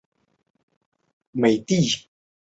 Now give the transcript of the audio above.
名称来自先进互动执行系统。